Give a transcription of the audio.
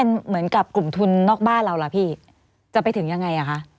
แล้วทีนี้กลุ่มทุนนอกบ้านเราจะไปถึงยังไง